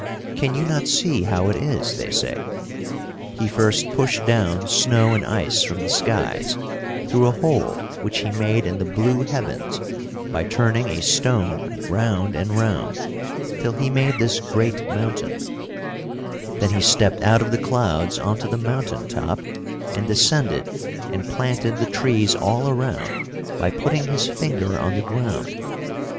Can you not see how it is? they say. He first pushed down snow and ice from the skies through a hole which he made in the blue heavens by turning a stone round and round, till he made this great mountain; then he stepped out of the clouds onto the mountain top, and descended and planted the trees all around by putting his finger on the ground.